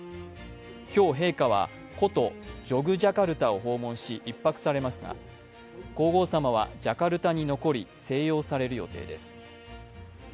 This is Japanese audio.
今日陛下は古都・ジョクジャカルタを訪問し、１泊されますが、皇后さまはジャカルタに残り静養される予定です。